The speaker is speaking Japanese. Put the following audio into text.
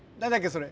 それ。